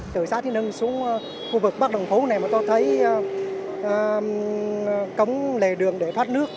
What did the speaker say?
từ xa thiên hương xuống khu vực bắc đồng phú này mà tôi thấy cống lề đường để phát nước